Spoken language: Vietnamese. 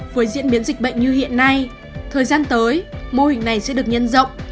với diễn biến dịch bệnh như hiện nay thời gian tới mô hình này sẽ được nhân rộng